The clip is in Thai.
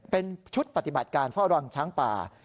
เป็นชุดปฏิบัติการเฝ้าระวังช้างป่า